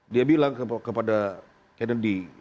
dia bilang kepada kennedy